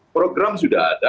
program sudah ada